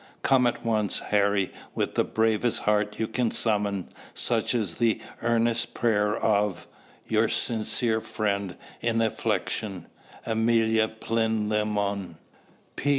Come at once, Harry, with the bravest heart you can summon, Such is the earnest prayer of:" "Your sincere friend in affliction," "Amelia Plinlimmon."